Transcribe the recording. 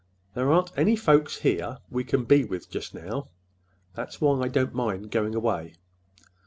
There aren't any folks here we can be with now. That's why I don't mind going away.